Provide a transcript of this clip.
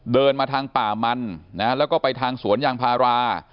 เดินมาทางป่ามันนะแล้วก็ไปทางสวนยางพารา